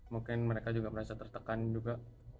mungkin mereka juga merasa tertekan juga